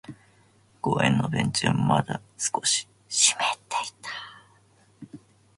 公園のベンチはまだ少し湿っていた。